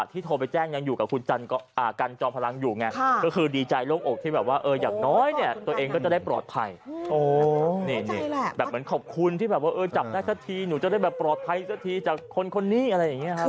ที่แบบว่าเออจับได้สักทีหนูจะได้แบบปลอดภัยสักทีจากคนนี้อะไรอย่างนี้ครับ